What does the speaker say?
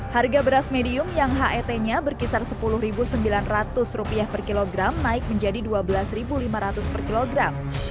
harga beras medium yang het nya berkisar rp sepuluh sembilan ratus per kilogram naik menjadi rp dua belas lima ratus per kilogram